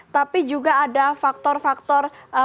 tapi juga ada faktor faktor